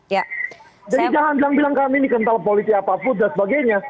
jadi jangan bilang bilang kami kental politik apapun dan sebagainya